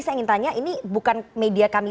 saya ingin tanya ini bukan media kami